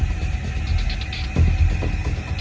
เพราะว่าเมืองนี้จะเป็นที่สุดท้าย